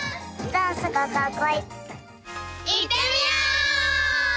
いってみよ！